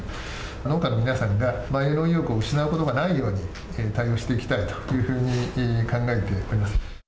農家の皆さんが意欲を失うことがないように対応していきたいというふうに考えております。